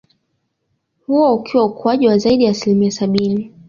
Huo ukiwa ukuaji wa zaidi ya asilimia sabini